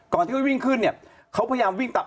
ก่อนที่เขาวิ่งขึ้นเนี่ยเขาพยายามวิ่งตาม